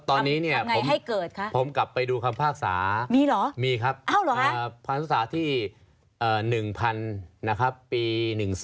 ตอนนี้ผมกลับไปดูคำภาคศาสตร์มีครับพรรษศาสตร์ที่๑๐๐๐ปี๑๒